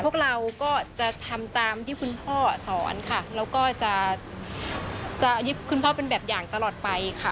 พวกเราก็จะทำตามที่คุณพ่อสอนค่ะแล้วก็จะยึดคุณพ่อเป็นแบบอย่างตลอดไปค่ะ